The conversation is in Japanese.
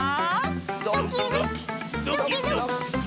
ドキドキドキドキ。